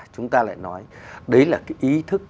chúng ta lại nói đấy là cái ý thức